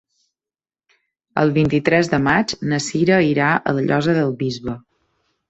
El vint-i-tres de maig na Cira irà a la Llosa del Bisbe.